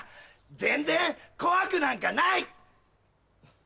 全然怖くなんかない！